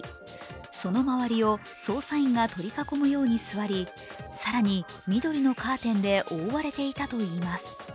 その周りを捜査員が取り囲むように座り、更に緑のカーテンで覆われていたといいます。